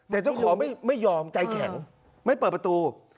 แต่เจ้าของไม่ยอมใจแข็งไม่เปิดประตู